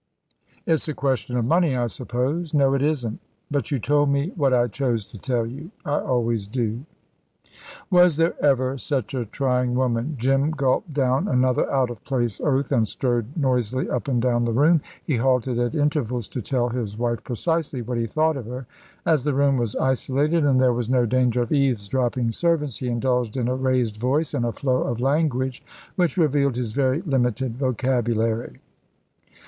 "It's a question of money, I suppose." "No, it isn't." "But you told me " "What I chose to tell you. I always do." Was there ever such a trying woman? Jim gulped down another out of place oath, and strode noisily up and down the room. He halted at intervals to tell his wife precisely what he thought of her. As the room was isolated, and there was no danger of eavesdropping servants, he indulged in a raised voice and a flow of language which revealed his very limited vocabulary.